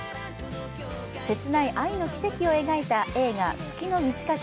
切ない愛の軌跡を描いた映画「月の満ち欠け」